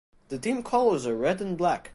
The team colours are red and black.